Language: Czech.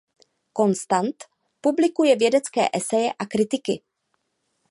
Constant publikuje vědecké eseje a kritiky.